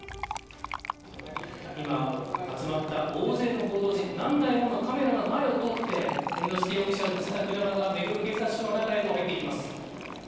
今集まった、大勢の報道陣何台ものカメラの前を通って猿之助容疑者を乗せた車が目黒警察署の中へと入っていきます。